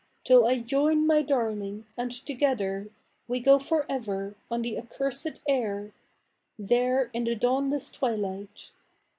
Till I join my darling, and together We go for ever on the accursed air,^ There in the dawnless twilight.